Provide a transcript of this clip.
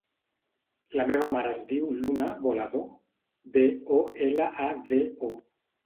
La meva mare es diu Luna Bolado: be, o, ela, a, de, o.